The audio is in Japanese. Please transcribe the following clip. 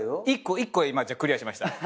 １個クリアしました。